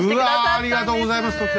ありがとうございます。